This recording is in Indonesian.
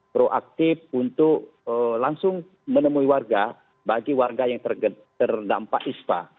proaktif untuk langsung menemui warga bagi warga yang terdampak ispa